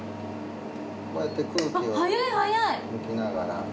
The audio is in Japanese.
こうやって空気を抜きながら。